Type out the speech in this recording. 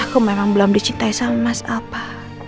aku memang belum dicintai sama mas apa